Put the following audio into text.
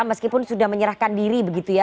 meskipun sudah menyerahkan diri begitu ya